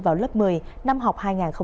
vào lớp một mươi năm học hai nghìn hai mươi ba